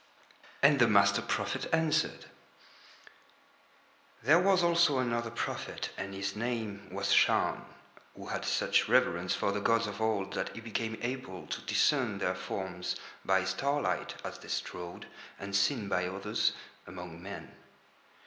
And the master prophet answered: "There was also another prophet and his name was Shaun, who had such reverence for the gods of Old that he became able to discern their forms by starlight as they strode, unseen by others, among men.